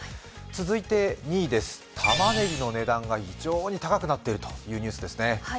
続いて２位です、たまねぎの値段が非常に高くなっているというニュースですね。